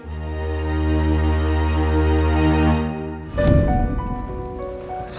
ternyata in gameplay